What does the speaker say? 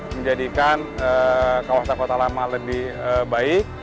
menjadikan kawasan kota lama lebih baik